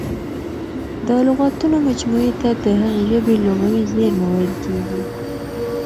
د لغاتونو مجموعې ته د هغې ژبي لغوي زېرمه ویل کیږي.